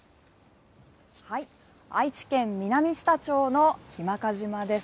愛知県南知多町の日間賀島です。